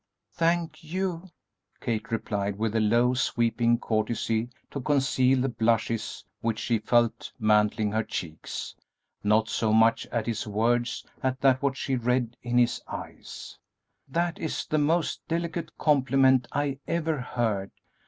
"Thank you," Kate replied, with a low, sweeping courtesy to conceal the blushes which she felt mantling her cheeks, not so much at his words as at what she read in his eyes; "that is the most delicate compliment I ever heard.